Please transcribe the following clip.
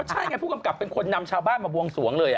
ใช่ไงผู้กำกับเป็นคนนำชาวบ้านมาบวงสวงเลย